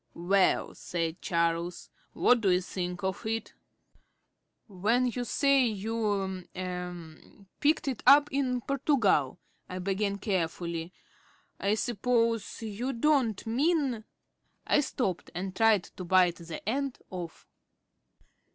"Well," said Charles, "what do you think of it?" "When you say you er picked it up in Portugal," I began carefully, "I suppose you don't mean " I stopped and tried to bite the end off.